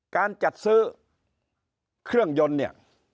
การจัดซื้อเครื่องยนต์เนี่ย